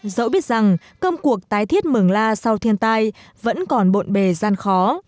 dẫu biết rằng công cuộc tái thiết mường la sau thiên tai vẫn còn bộn bề gian khó